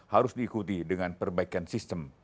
harus diikuti dengan perbaikan sistem